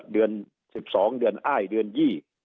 เดือนสิบสองเดือนไอเดือนยี่